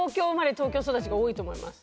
東京育ちが多いと思います。